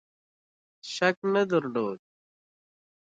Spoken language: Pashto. شک نه درلود.